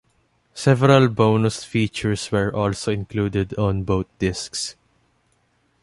Several bonus features were also included on both discs.